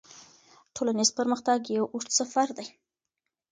ټولنیز پرمختګ یو اوږد سفر دی.